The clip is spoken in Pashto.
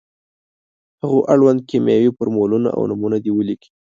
هغو اړوند کیمیاوي فورمولونه او نومونه دې ولیکي.